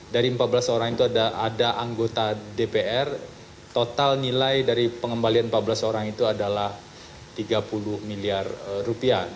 dari empat belas orang itu ada anggota dpr total nilai dari pengembalian empat belas orang itu adalah tiga puluh miliar rupiah